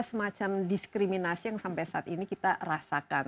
semacam diskriminasi yang sampai saat ini kita rasakan